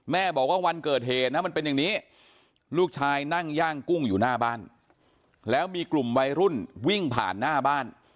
แม่บอกว่าวันเกิดเหตุนะมันเป็นอย่างนี้ลูกชายนั่งย่างกุ้งอยู่หน้าบ้านแล้วมีกลุ่มวัยรุ่นวิ่งผ่านหน้าบ้าน